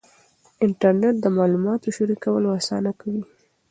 انټرنېټ د معلوماتو شریکول اسانه کوي.